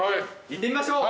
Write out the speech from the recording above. いってみましょう！